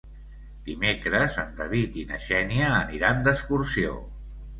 Dimecres en David i na Xènia aniran d'excursió.